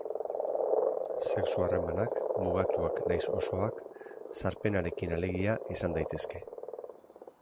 Sexu-harremanak mugatuak nahiz osoak, sarpenarekin alegia, izan daitezke.